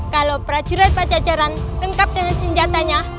kalau prajurit pajajaran lengkap dengan senjatanya